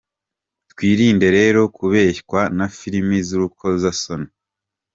Twirinde rero kubeshywa na filimi z’urukozasoni.